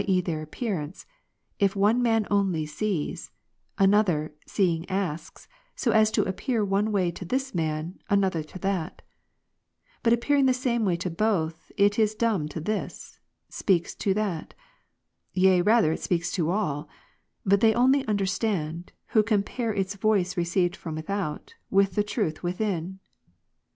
e. their appearance,) if one man only sees, another seeing asks, so as to appear one way to this man, another way to that ; but appearing the same way to both, it is dumb to this, speaks to that ; yea rather it speaks to all ; but they only understand, who compare its voice re / ceived from without, with the truth within.